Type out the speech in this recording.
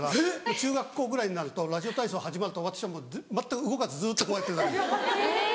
中学校ぐらいになるとラジオ体操始まると私はもう全く動かずずっとこうやってるだけ。